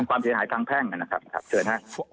เป็นความเสียหายพังแพงนะครับ